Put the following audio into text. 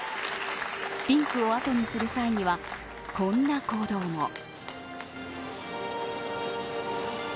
リンクを後にする際にはこんな行動も。